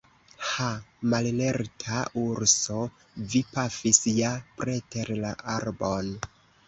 Ha, mallerta urso, vi pafis ja preter la arbon!